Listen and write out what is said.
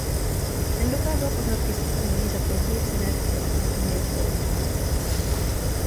Ten dokázal poznatky z pitvy zvířat později přenést i do anatomie člověka.